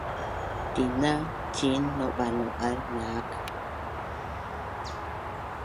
tina ciin nauba’nau’az naak